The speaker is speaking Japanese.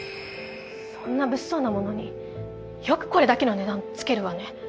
そんな物騒な物によくこれだけの値段つけるわね。